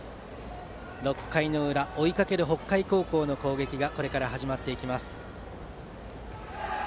６回裏追いかける北海高校の攻撃がこれから始まっていきます。